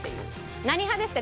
何派ですか？